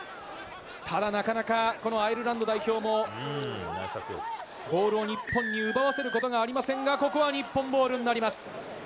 ただ、なかなかこのアイルランド代表もボールを日本に奪わせることがありませんがここは日本ボールになります。